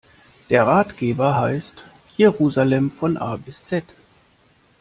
Der Ratgeber heißt: Jerusalem von A bis Z.